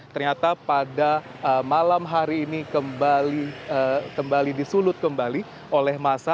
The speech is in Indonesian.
ternyata pada malam hari ini kembali disulut kembali oleh masa